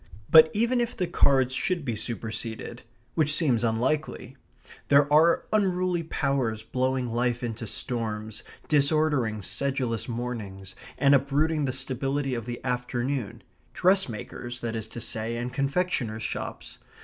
But, even if the cards should be superseded, which seems unlikely, there are unruly powers blowing life into storms, disordering sedulous mornings, and uprooting the stability of the afternoon dressmakers, that is to say, and confectioners' shops.